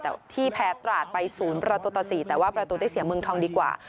แต่ที่แพ้ตราดไป๐ประตูต่อ๔แต่ว่าประตูได้เสียเมืองทองดีกว่า